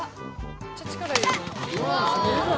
めっちゃ力いる。